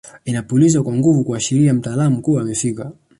Inapulizwa kwa nguvu kuashiria mtaalamu kuwa amefika